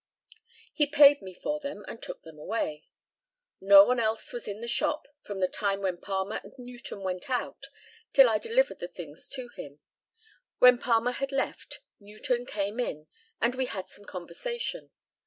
He paid me for them and took them away. No one else was in the shop from the time when Palmer and Newton went out till I delivered the things to him. When Palmer had left, Newton came in, and we had some conversation.